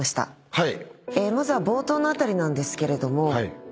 はい。